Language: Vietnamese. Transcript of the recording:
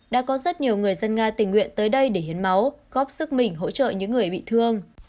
đã có rất nhiều người dân nga tình nguyện tới đây để hiến máu góp sức mình hỗ trợ những người bị thương